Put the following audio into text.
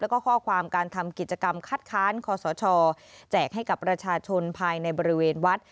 แล้วก็ข้อความการทำกิจกรรมคัดค้านคอสชแจกให้กับประชาชนภายในบริเวณวัด